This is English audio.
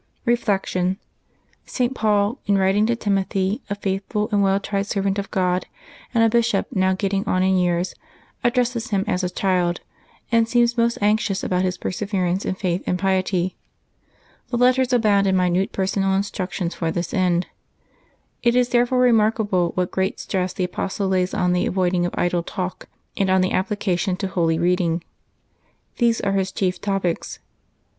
'' Reflection. — St. Paul, in writing to Timothy, a faithful and well tried servant of God, and a bishop now getting on in years, addresses him as a child, and seems most anxious about his perseverance in faith and piety. The letters abound in minute personal instructions for this end. It is therefore remarkable what great stress the Apostle lays on the avoiding of idle talk, and on the application to holy reading. These are his chief topics.